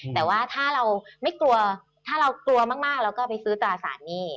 แต่ว่าถ้าเราไม่กลัวถ้าเรากลัวมากเราก็ไปซื้อตราสารหนี้